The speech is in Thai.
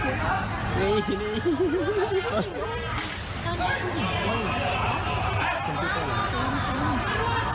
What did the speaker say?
เหมือนมันไม่ใช่เหรอใช่มันเปลือก